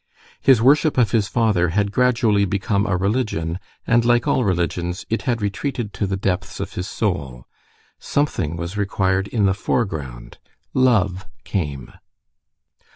His worship of his father had gradually become a religion, and, like all religions, it had retreated to the depths of his soul. Something was required in the foreground. Love came.